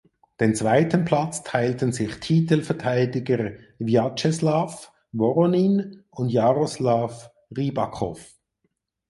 Den zweiten Platz teilten sich Titelverteidiger Wjatscheslaw Woronin und Jaroslaw Rybakow.